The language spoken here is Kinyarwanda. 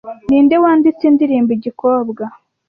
Ninde wanditse indirimbo igikobwa